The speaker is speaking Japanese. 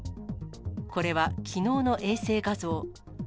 これは、きのうの衛星画像。